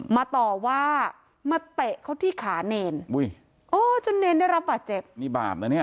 มาต่อว่ามาเตะเขาที่ขาเนรอ้อจนเนรได้รับบาดเจ็บ